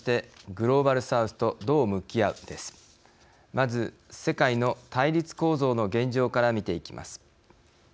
まず世界の対立構造の現状から見ていきます。